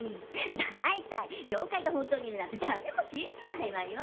大体妖怪が本当にいるなんて誰も信じないわよ。